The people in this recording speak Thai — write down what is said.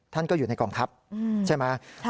ท่านก็อยู่ในกองทัพใช่ไหม